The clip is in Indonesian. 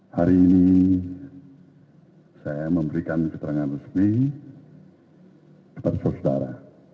hari ini saya memberikan keterangan resmi kepada saudara